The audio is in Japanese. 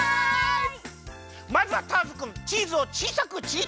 まずはターズくんチーズをちいさくちぎってください。